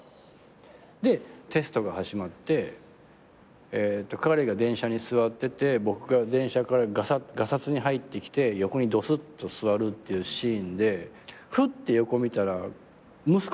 でテストが始まって彼が電車に座ってて僕が電車からがさつに入ってきて横にドスッと座るってシーンでふって横見たら息子の顔になっちゃってるわけ。